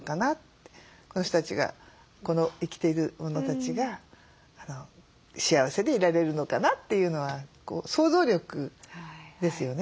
この人たちがこの生きているものたちが幸せでいられるのかなというのは想像力ですよね。